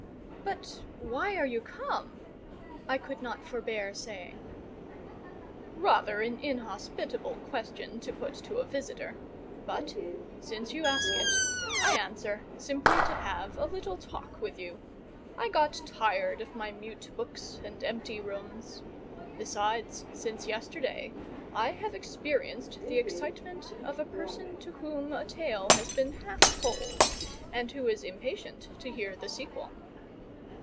"But why are you come?" I could not forbear saying. "Rather an inhospitable question to put to a visitor; but since you ask it, I answer simply to have a little talk with you; I got tired of my mute books and empty rooms. Besides, since yesterday I have experienced the excitement of a person to whom a tale has been half told, and who is impatient to hear the sequel."